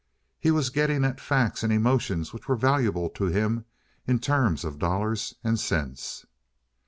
He was getting at facts and emotions which were valuable to him in the terms of dollars and cents.